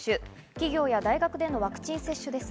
企業や大学でのワクチン接種です